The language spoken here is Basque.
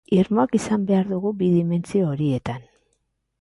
Irmoak izan behar dugu bi dimentsio horietan.